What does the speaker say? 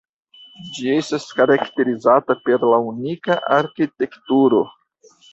Ĝi estas karakterizata per la unika arkitekturo.